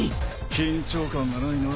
緊張感がないな。